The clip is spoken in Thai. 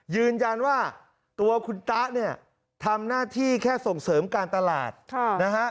ยืนยันว่าตัวคุณตะเนี่ยทำหน้าที่แค่ส่งเสริมการตลาดนะฮะ